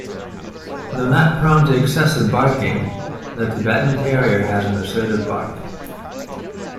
Though not prone to excessive barking, the Tibetan Terrier has an assertive bark.